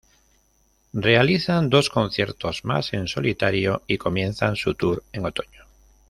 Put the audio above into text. Realizan dos conciertos más en solitario y comienzan su tour en otoño.